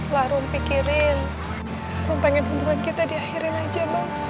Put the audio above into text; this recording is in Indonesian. larut pikirin pengen kita di akhirin aja